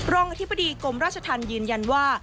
อธิบดีกรมราชธรรมยืนยันว่า